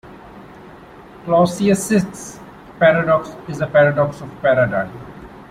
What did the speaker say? Clausius's paradox is a paradox of paradigm.